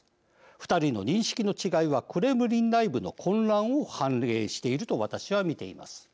２人の認識の違いはクレムリン内部の混乱を反映していると私は見ています。